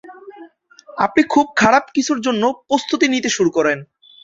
আপনি খুব খারাপ কিছুর জন্য প্রস্তুতি নিতে শুরু করেন।